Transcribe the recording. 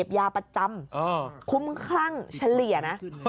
เสพยาประจำสมชายนะครับคุ้มครั่งชะเหลี่ยนะ